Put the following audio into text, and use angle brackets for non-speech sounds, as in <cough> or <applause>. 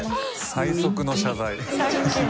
最速の謝罪 <laughs>